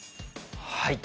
はい。